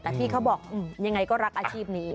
แต่พี่เขาบอกยังไงก็รักอาชีพนี้